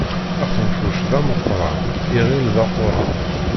Axenfuc d ameqqṛan, iɣil d aquṛan.